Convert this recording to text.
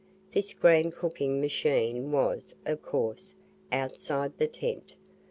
This grand cooking machine was, of course, outside the tent.